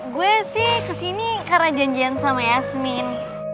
gue sih kesini karena janjian sama yasmin